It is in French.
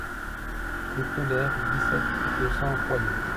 Rue Teulère, dix-sept, deux cents Royan